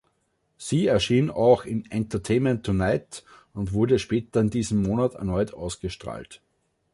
Sie erschien auch in „Entertainment Tonight“ und wurde später in diesem Monat erneut ausgestrahlt.